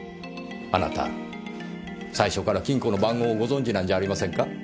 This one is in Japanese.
あなた最初から金庫の番号をご存じなんじゃありませんか？